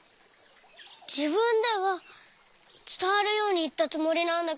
じぶんではつたわるようにいったつもりなんだけど。